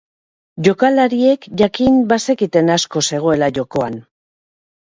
Jokalariek jakin bazekiten asko zegoela jokoan.